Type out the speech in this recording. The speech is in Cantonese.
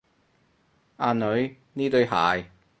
阿女，呢對鞋